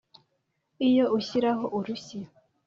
Iyo ushyiraho urushyi